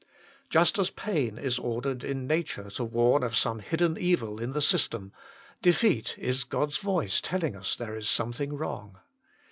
Just as pain is ordered in nature to warn of some hidden evil in the system, defeat is God s voice telling us there is something wrong.